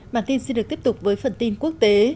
bản tin sẽ được tiếp tục với phần tin quốc tế